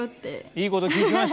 いいこと聞きましたよね！